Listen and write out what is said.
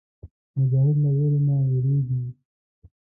مجاهد له ویرې نه وېرېږي.